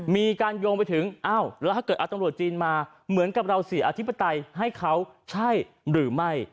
มีการโยงไปถึงอ้าวแล้วถ้าเกิดเอาตำรวจจีนมาเหมือนกับเราเสียอธิปไตยให้เขาใช่หรือไม่